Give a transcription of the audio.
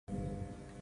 No audio